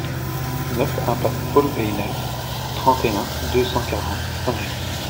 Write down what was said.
neuf iMPASSE PAUL BAYLE, trente et un, deux cent quarante, Saint-Jean